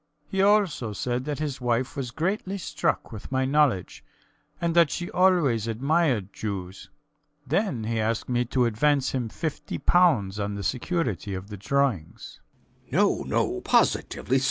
He also said that his wife was greatly struck with my knowledge, and that she always admired Jews. Then he asked me to advance him 50 pounds on the security of the drawings. B. B. { [All } No, no. Positively!